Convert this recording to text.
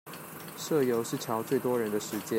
社遊是喬最多人的時間